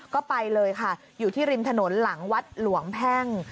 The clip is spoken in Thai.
ก็ไปเลยค่ะอยู่ที่ริมถนนหลังวัดหลวงแพ่ง